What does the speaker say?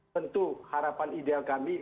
tentu harapan ideal kami